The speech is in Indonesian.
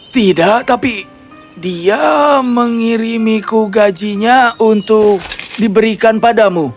tidak tapi dia mengirimiku gajinya untuk diberikan padamu